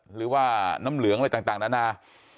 หรือว่าน้ำเหลืองอะไรต่างนานา